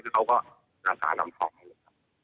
แล้วเขาก็อาสารอำทองให้เลยครับ